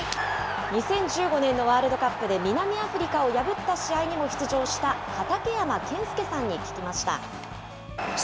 ２０１５年のワールドカップで南アフリカを破った試合でも出場した畠山健介さんに聞きました。